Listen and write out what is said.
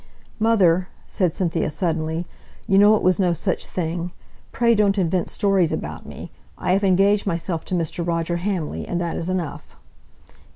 "Mother," said Cynthia suddenly, "you know it was no such thing. Pray don't invent stories about me. I have engaged myself to Mr. Roger Hamley, and that is enough."